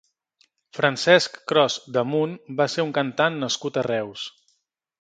Francesc Cros Damunt va ser un cantant nascut a Reus.